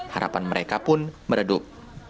harapan mereka pun meredup